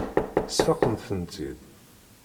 Sfaqent-tent-id.